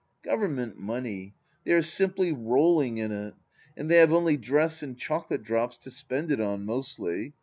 Government Money 1 They are simply rolling in it. And they have only dress and chocolate drops to spend it on, mostly.